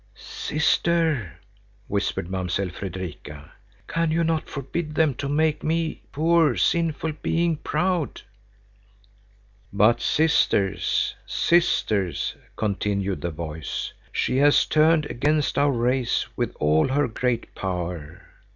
"Sister," whispered Mamsell Fredrika, "can you not forbid them to make me, poor, sinful being, proud?" "But, sisters, sisters," continued the voice, "she has turned against our race with all her great power.